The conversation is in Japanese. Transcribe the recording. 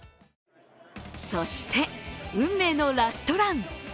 そして、運命のラストラン。